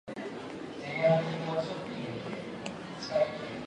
コーヒーの湯気が心を落ち着かせる。